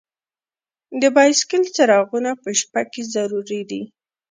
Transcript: د بایسکل څراغونه په شپه کې ضروری دي.